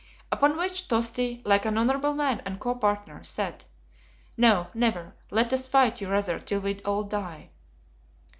Upon which Tosti, like an honorable man and copartner, said, "No, never; let us fight you rather till we all die."